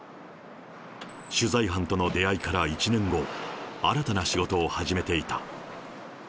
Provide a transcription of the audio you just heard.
取材班との出会いから１年後、新たな仕事を始めていた。